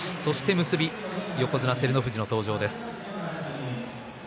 結び横綱照ノ富士の登場です。